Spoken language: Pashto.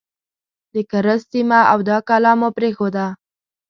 د کرز سیمه او دا کلا مو پرېښوده.